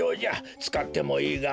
つかってもいいがえい